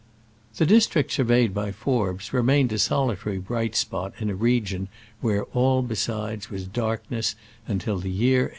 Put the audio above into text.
The district surveyed by Forbes re mained a solitary bright spot in a region where all besides was darkness until the year 1861.